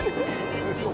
すごい。